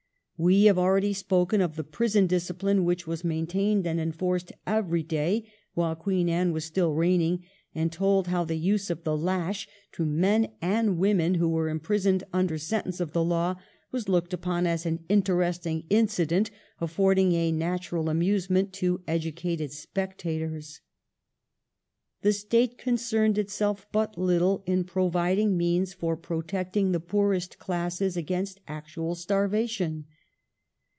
We have already spoken of the prison discipline which was maintained and enforced every day while Queen Anne was still reigning, and told how the use of the lash to men and women who were imprisoned under sentence of the law was looked upon as an interesting incident affording a natural amusement to educated spectators. The State concerned itself but little in providing means for protecting the poorest classes against actual starvation.